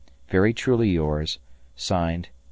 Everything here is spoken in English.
... Very truly yours, (Signed) Jno.